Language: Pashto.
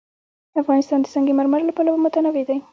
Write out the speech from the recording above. افغانستان د سنگ مرمر له پلوه متنوع دی.